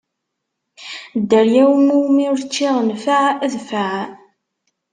Dderya iwumi ur ččiɣ nnfeɛ, dfeɛ!